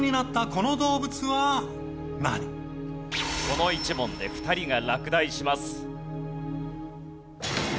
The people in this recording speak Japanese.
この１問で２人が落第します。